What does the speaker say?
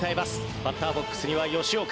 バッターボックスには吉岡。